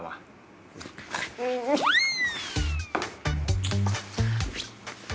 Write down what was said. หึ